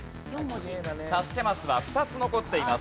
助けマスは２つ残っています。